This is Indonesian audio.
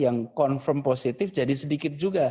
yang confirm positif jadi sedikit juga